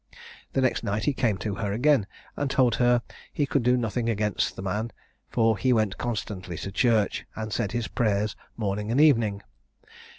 The next night he came to her again, and told her he could do nothing against the man, for he went constantly to church, and said his prayers morning and evening.